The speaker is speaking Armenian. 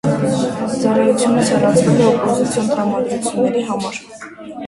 Ծառայությունից հեռացվել է օպոզիցիոն տրամադրությունների համար։